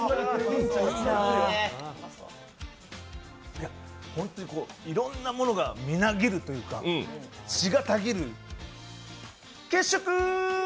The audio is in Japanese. いや、ほんとにこう、いろんなものがみなぎるというか、血がたぎる、血色！